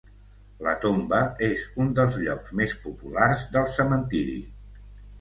La tomba és un dels llocs més populars del cementiri.